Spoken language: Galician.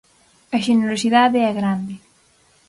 A xenerosidade é grande.